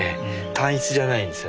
単一じゃないんですよね。